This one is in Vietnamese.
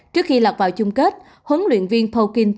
trước khi lọc vào chung kết huấn luyện viên poukin tự nhiên